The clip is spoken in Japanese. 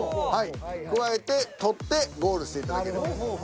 くわえて取ってゴールしていただければ。